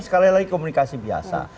sekali lagi komunikasi biasa